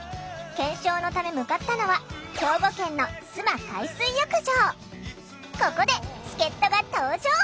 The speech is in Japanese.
検証のため向かったのはここで助っとが登場！